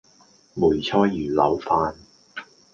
梅菜魚柳飯